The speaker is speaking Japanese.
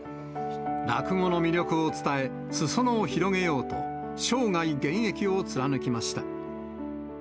落語の魅力を伝え、すそ野を広げようと、生涯現役を貫きました。